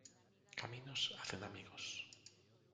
Caminos hacen amigos.